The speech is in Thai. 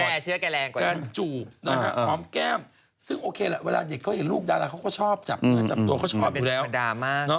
เมื่อเด็กเค้าเห็นลูกนางเขาก็ชอบจัดตัวก็ชอบอยู่แล้ว